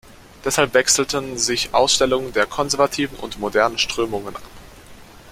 Deshalb wechselten sich Ausstellungen der konservativen und modernen Strömungen ab.